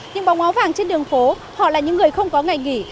những bóng áo vàng trên đường phố họ là những người không có ngày nghỉ